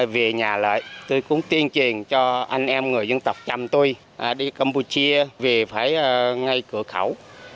vì nhà lợi tôi cũng tuyên truyền cho anh em người dân tộc chăm tui đi campuchia vì phải ngay cửa khẩu